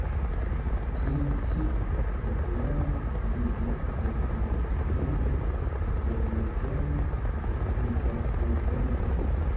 Tiu ĉi prklamo gvidis al subskribo de Munkena interkonsento.